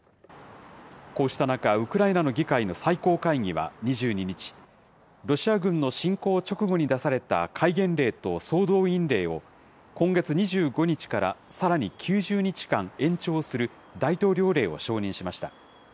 こうした中、ウクライナの議会の最高会議は２２日、ロシア軍の侵攻直後に出された戒厳令と総動員令を、今月２５日からさらに９０日間延長する、大統領令を承認しました。